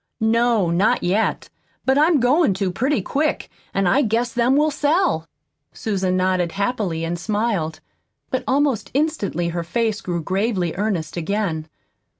"No, not yet; but I'm goin' to pretty quick, an' I guess them will sell." Susan nodded happily, and smiled. But almost instantly her face grew gravely earnest again.